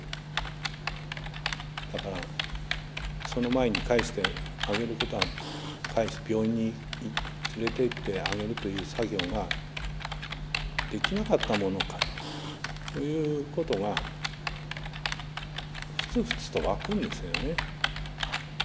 だからその前に帰してあげることが病院に連れてってあげるという作業ができなかったものかということがふつふつと湧くんですよね。